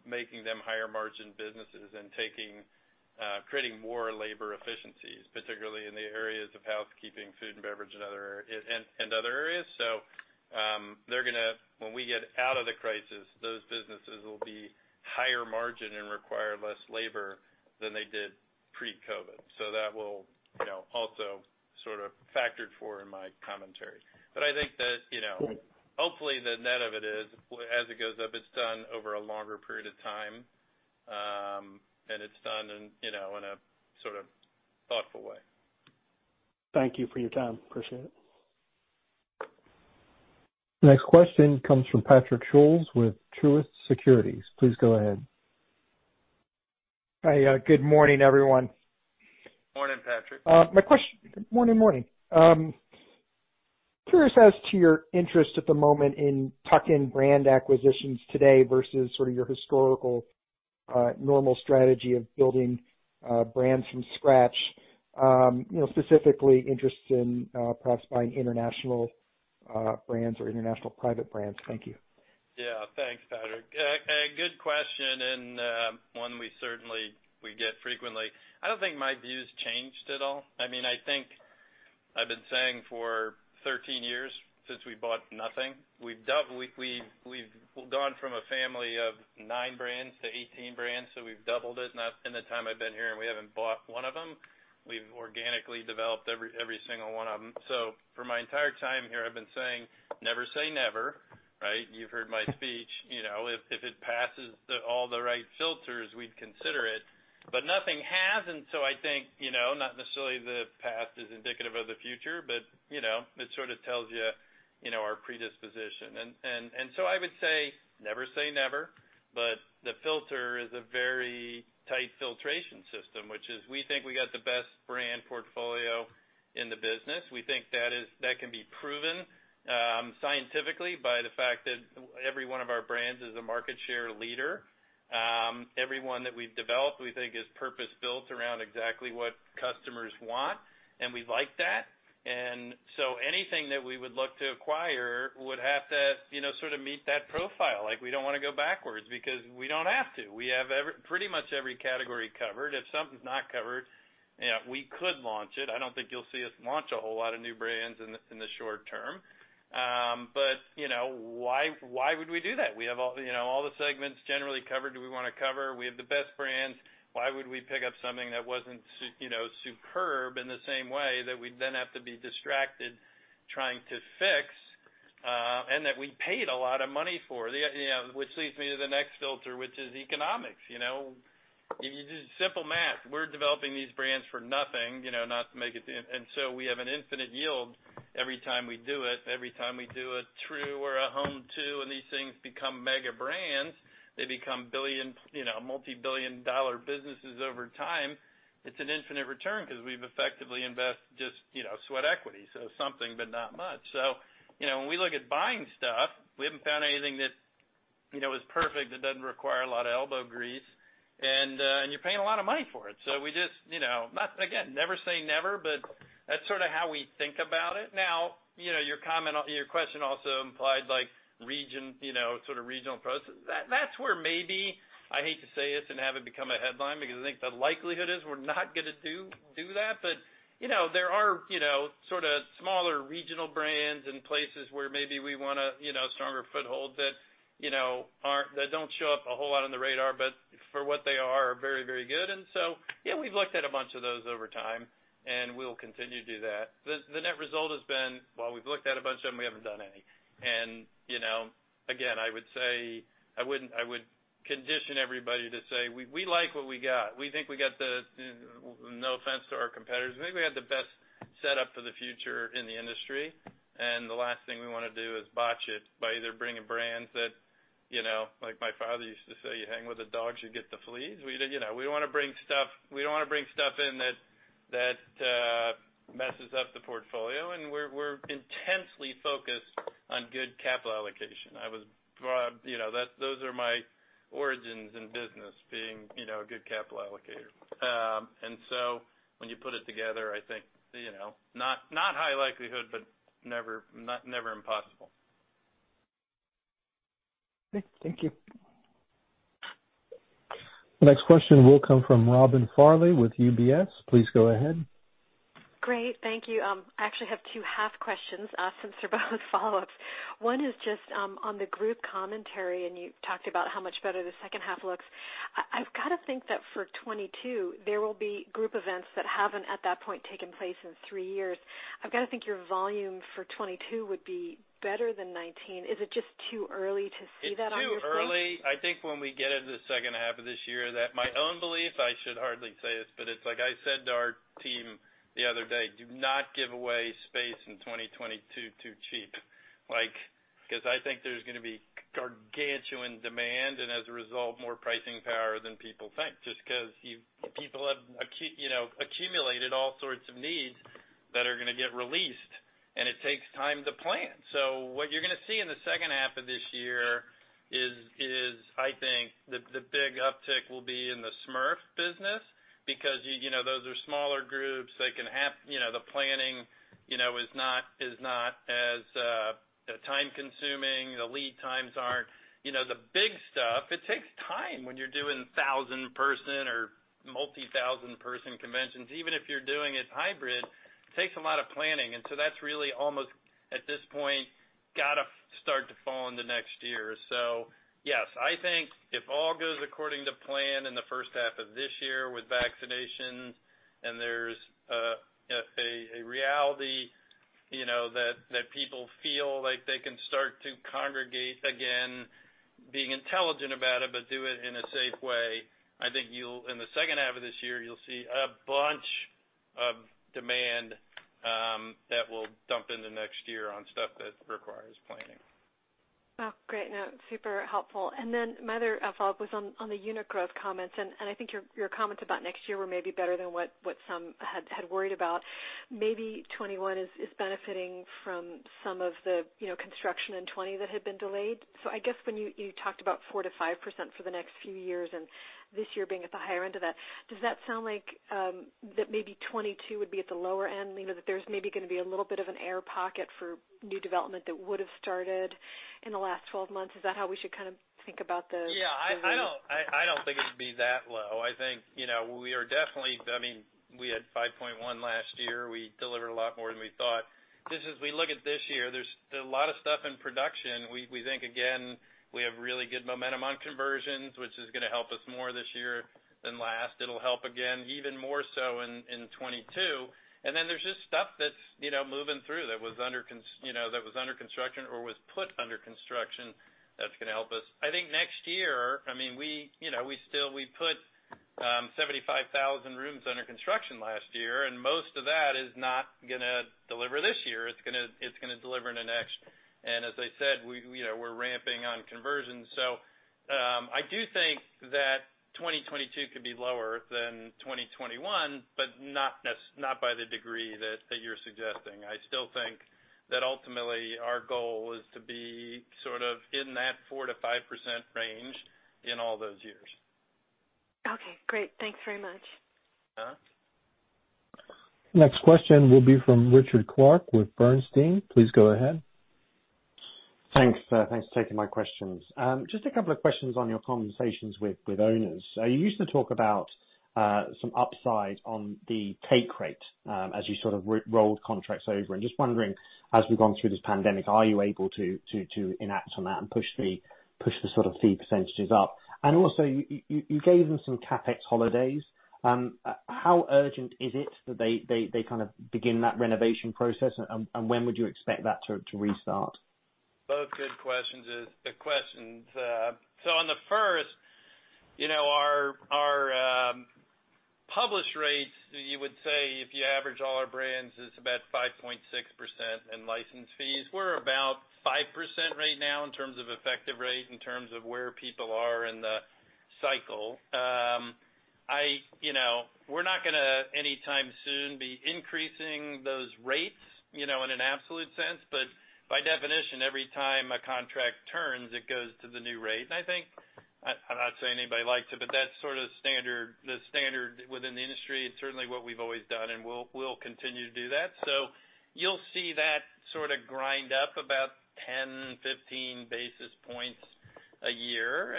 making them higher margin businesses and creating more labor efficiencies, particularly in the areas of housekeeping, food and beverage, and other areas. when we get out of the crisis, those businesses will be higher margin and require less labor than they did pre-COVID. that will also sort of factored for in my commentary. I think that hopefully the net of it is, as it goes up, it's done over a longer period of time, and it's done in a thoughtful way. Thank you for your time. Appreciate it. Next question comes from Patrick Scholes with Truist Securities. Please go ahead. Hi. Good morning, everyone. Morning, Patrick. Morning. Curious as to your interest at the moment in tuck-in brand acquisitions today versus your historical normal strategy of building brands from scratch. Specifically interested in perhaps buying international brands or international private brands. Thank you. Yeah. Thanks, Patrick. A good question, and one we certainly get frequently. I don't think my view's changed at all. I think I've been saying for 13 years, since we bought nothing. We've gone from a family of nine brands to 18 brands, so we've doubled it in the time I've been here, and we haven't bought one of them. We've organically developed every single one of them. For my entire time here, I've been saying, "Never say never." You've heard my speech. If it passes all the right filters, we'd consider it. Nothing has, and so I think, not necessarily the past is indicative of the future, but it sort of tells you our predisposition. I would say never say never, but the filter is a very tight filtration system, which is we think we got the best brand portfolio in the business. We think that can be proven scientifically by the fact that every one of our brands is a market share leader. Every one that we've developed, we think is purpose-built around exactly what customers want, and we like that. Anything that we would look to acquire would have to meet that profile. We don't want to go backwards because we don't have to. We have pretty much every category covered. If something's not covered, we could launch it. I don't think you'll see us launch a whole lot of new brands in the short term. Why would we do that? We have all the segments generally covered that we want to cover. We have the best brands. Why would we pick up something that wasn't superb in the same way that we'd then have to be distracted trying to fix, and that we paid a lot of money for? Which leads me to the next filter, which is economics. It is simple math. We're developing these brands for nothing, and so we have an infinite yield every time we do it. Every time we do a Tru or a Home2 and these things become mega brands, they become multi-billion dollar businesses over time. It's an infinite return because we've effectively invested just sweat equity. Something, but not much. When we look at buying stuff, we haven't found anything that is perfect, that doesn't require a lot of elbow grease, and you're paying a lot of money for it. We just, again, never say never, but that's sort of how we think about it. Now, your question also implied regional approaches. That's where maybe, I hate to say this and have it become a headline, because I think the likelihood is we're not going to do that, but there are sort of smaller regional brands in places where maybe we want a stronger foothold that don't show up a whole lot on the radar, but for what they are very good. Yeah, we've looked at a bunch of those over time, and we'll continue to do that. The net result has been, while we've looked at a bunch of them, we haven't done any. Again, I would condition everybody to say, we like what we got. No offense to our competitors. We think we have the best setup for the future in the industry, and the last thing we want to do is botch it by either bringing brands that, like my father used to say, "You hang with the dogs, you get the fleas." We don't want to bring stuff in that messes up the portfolio, and we're intensely focused on good capital allocation. Those are my origins in business, being a good capital allocator. When you put it together, I think, not high likelihood, but never impossible. Great. Thank you. The next question will come from Robin Farley with UBS. Please go ahead. Great. Thank you. I actually have two half questions, since they're both follow-ups. One is just on the group commentary, and you talked about how much better the second half looks. I've got to think that for 2022, there will be group events that haven't, at that point, taken place in three years. I've got to think your volume for 2022 would be better than 2019. Is it just too early to see that on your slate? It's too early. I think when we get into the second half of this year, that my own belief, I should hardly say this, but it's like I said to our team the other day, do not give away space in 2022 too cheap. I think there's going to be gargantuan demand, and as a result, more pricing power than people think. People have accumulated all sorts of needs that are going to get released, and it takes time to plan. What you're going to see in the second half of this year is, I think, the big uptick will be in the SMERF business, because those are smaller groups. The planning is not as time consuming. The lead times are. The big stuff, it takes time when you're doing 1,000 person or multi-thousand person conventions. Even if you're doing it hybrid, it takes a lot of planning, and so that's really almost, at this point, got to start to fall into next year. Yes, I think if all goes according to plan in the first half of this year with vaccinations, and there's a reality that people feel like they can start to congregate again, being intelligent about it, but do it in a safe way, I think in the second half of this year, you'll see a bunch of demand that will dump into next year on stuff that requires planning. Oh, great. No, super helpful. My other follow-up was on the unit growth comments, and I think your comments about next year were maybe better than what some had worried about. Maybe 2021 is benefiting from some of the construction in 2020 that had been delayed. I guess when you talked about 4%-5% for the next few years, and this year being at the higher end of that, does that sound like that maybe 2022 would be at the lower end? That there's maybe going to be a little bit of an air pocket for new development that would have started in the last 12 months. Is that how we should kind of think about the- Yeah. I don't think it'd be that low. We had 5.1% last year. We delivered a lot more than we thought. Just as we look at this year, there's a lot of stuff in production. We think, again, we have really good momentum on conversions, which is going to help us more this year than last. It'll help again even more so in 2022. There's just stuff that's moving through that was under construction or was put under construction that's going to help us. I think next year, we put 75,000 rooms under construction last year, and most of that is not going to deliver this year. It's going to deliver into next. As I said, we're ramping on conversions. I do think that 2022 could be lower than 2021, but not by the degree that you're suggesting. I still think that ultimately our goal is to be sort of in that 4%-5% range in all those years. Okay, great. Thanks very much. Next question will be from Richard Clarke with Bernstein. Please go ahead. Thanks for taking my questions. Just a couple of questions on your conversations with owners. You used to talk about some upside on the take rate as you rolled contracts over, and just wondering, as we've gone through this pandemic, are you able to enact on that and push the fee percentages up? Also, you gave them some CapEx holidays. How urgent is it that they begin that renovation process? When would you expect that to restart? Both good questions. On the first, our published rates, you would say if you average all our brands, it's about 5.6% in license fees. We're about 5% right now in terms of effective rate, in terms of where people are in the cycle. We're not going to anytime soon be increasing those rates, in an absolute sense. By definition, every time a contract turns, it goes to the new rate. I think, I'm not saying anybody likes it, but that's sort of the standard within the industry, and certainly what we've always done, and we'll continue to do that. You'll see that sort of grind up about 10, 15 basis points a year.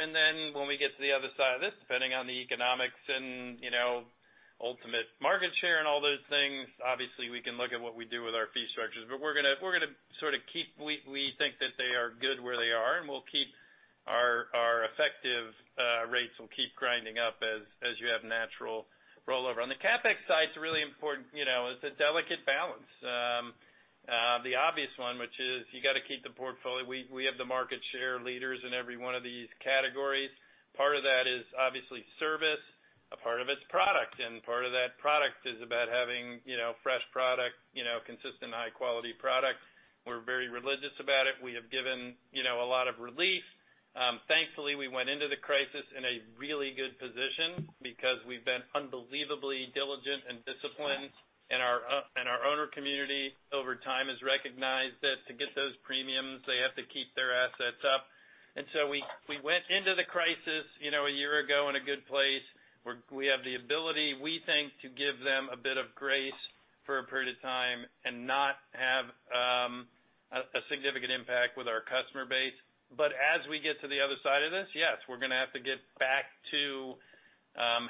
When we get to the other side of this, depending on the economics and ultimate market share and all those things, obviously, we can look at what we do with our fee structures. We think that they are good where they are, and our effective rates will keep grinding up as you have natural rollover. On the CapEx side, it's a delicate balance. The obvious one, which is you got to keep the portfolio. We have the market share leaders in every one of these categories. Part of that is obviously service. A part of it is product, and part of that product is about having fresh product, consistent high quality product. We're very religious about it. We have given a lot of relief. Thankfully, we went into the crisis in a really good position because we've been unbelievably diligent and disciplined, and our owner community over time has recognized that to get those premiums, they have to keep their assets up. We went into the crisis a year ago in a good place, where we have the ability, we think, to give them a bit of grace for a period of time and not have a significant impact with our customer base. As we get to the other side of this, yes, we're going to have to get back to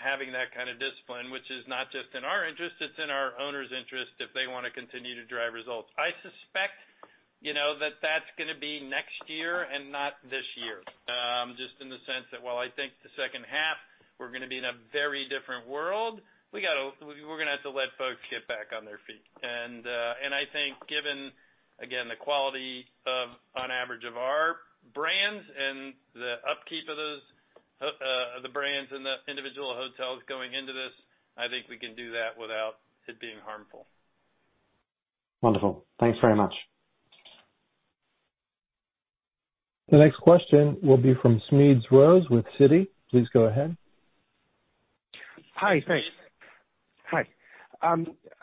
having that kind of discipline, which is not just in our interest, it's in our owners' interest if they want to continue to drive results. I suspect that that's going to be next year and not this year. Just in the sense that while I think the second half, we're going to be in a very different world. We're going to have to let folks get back on their feet. I think given, again, the quality on average of our brands and the upkeep of the brands and the individual hotels going into this, I think we can do that without it being harmful. Wonderful. Thanks very much. The next question will be from Smedes Rose with Citi. Please go ahead. Hi, thanks.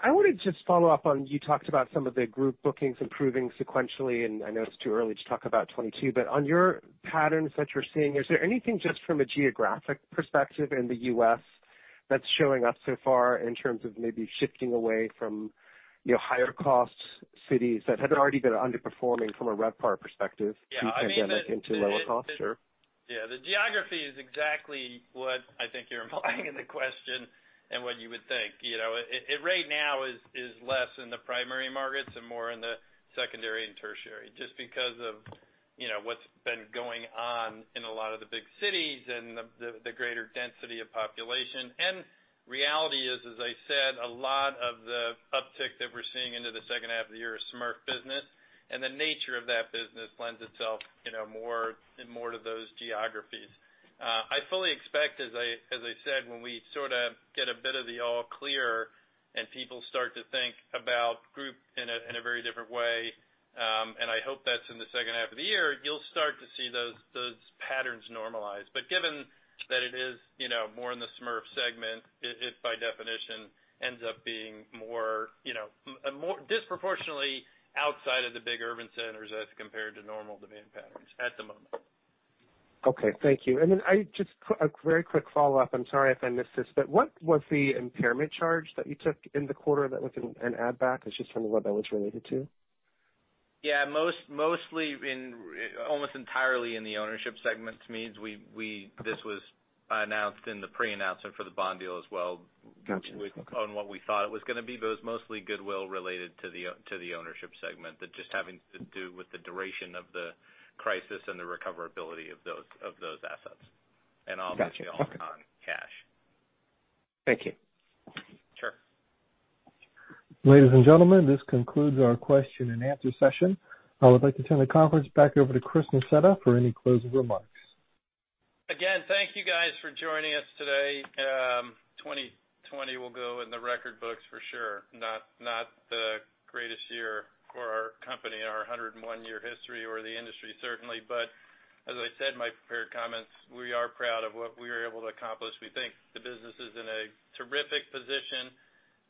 I wanted to just follow up on, you talked about some of the group bookings improving sequentially, and I know it's too early to talk about 2022, but on your patterns that you're seeing, is there anything just from a geographic perspective in the U.S. that's showing up so far in terms of maybe shifting away from higher costs cities that had already been underperforming from a RevPAR perspective pre-pandemic into lower cost? Sure. Yeah, the geography is exactly what I think you're implying in the question and what you would think. Right now is less in the primary markets and more in the secondary and tertiary, just because of what's been going on in a lot of the big cities and the greater density of population. Reality is, as I said, a lot of the uptick that we're seeing into the second half of the year is SMERF business, and the nature of that business lends itself more to those geographies. I fully expect, as I said, when we sort of get a bit of the all clear and people start to think about group in a very different way, and I hope that's in the second half of the year, you'll start to see those patterns normalize. Given that it is more in the SMERF segment, it by definition ends up being disproportionately outside of the big urban centers as compared to normal demand patterns at the moment. Okay, thank you. just a very quick follow-up. I'm sorry if I missed this, but what was the impairment charge that you took in the quarter that was an add back? I was just wondering what that was related to. Yeah, almost entirely in the ownership segment, Smedes. This was announced in the pre-announcement for the bond deal as well. Got you. Okay. On what we thought it was going to be, but it was mostly goodwill related to the ownership segment, that just having to do with the duration of the crisis and the recoverability of those assets. Got you. Okay. Obviously all on cash. Thank you. Sure. Ladies and gentlemen, this concludes our question and answer session. I would like to turn the conference back over to Chris Nassetta for any closing remarks. Again, thank you guys for joining us today. 2020 will go in the record books for sure. Not the greatest year for our company in our 101-year history or the industry, certainly. As I said in my prepared comments, we are proud of what we are able to accomplish. We think the business is in a terrific position.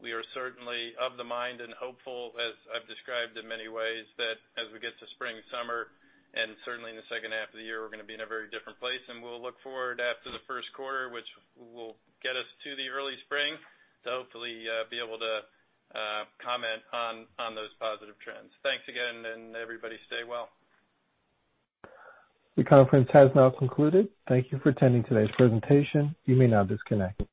We are certainly of the mind and hopeful, as I've described in many ways, that as we get to spring, summer, and certainly in the second half of the year, we're going to be in a very different place, and we'll look forward after the first quarter, which will get us to the early spring to hopefully be able to comment on those positive trends. Thanks again, and everybody stay well. The conference has now concluded. Thank you for attending today's presentation. You may now disconnect.